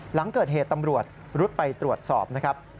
หลังเกิดเหตุตำรวจรุดไปตรวจสอบนะครับ